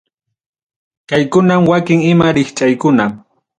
Kaykunam wakin ima rikchaykuna.